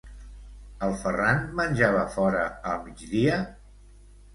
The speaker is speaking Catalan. El Ferran menjava fora al migdia?